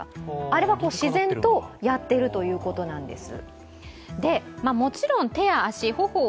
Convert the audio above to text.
あれは自然とやっているということなんです。